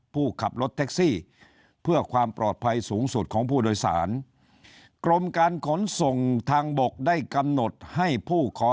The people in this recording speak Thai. ผู้ขับรถแท็กซี่เพื่อความปลอดภัยสูงสุดของผู้โดยสารกรมการขนส่งทางบกได้กำหนดให้ผู้ขอ